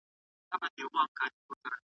« اختیار به مي د ږیري همېشه د ملا نه وي» ,